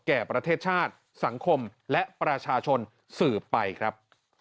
แก่ประเทศชาติสังคมและประชาชนสืบไปครับ